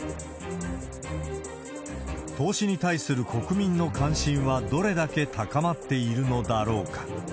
投資に対する国民の関心はどれだけ高まっているのだろうか。